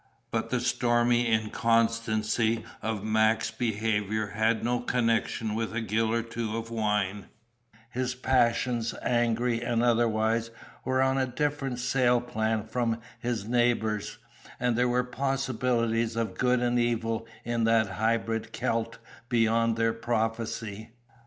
But the stormy inconstancy of Mac's behaviour had no connection with a gill or two of wine; his passions, angry and otherwise, were on a different sail plan from his neighbours'; and there were possibilities of good and evil in that hybrid Celt beyond their prophecy.